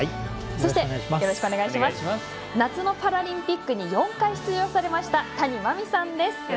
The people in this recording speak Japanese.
そして、夏のパラリンピックに４回出場されました谷真海さんです。